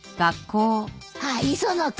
・あっ磯野君。